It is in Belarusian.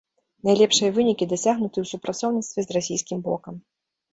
Найлепшыя вынікі дасягнуты ў супрацоўніцтве з расійскім бокам.